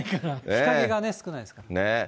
日陰が少ないですからね。